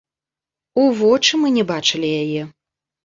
У вочы мы не бачылі яе!